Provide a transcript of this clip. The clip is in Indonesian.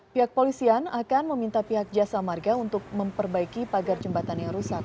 pihak polisian akan meminta pihak jasa marga untuk memperbaiki pagar jembatan yang rusak